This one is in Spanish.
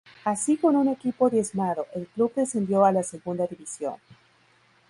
Así, con un equipo diezmado, el club descendió a la Segunda División.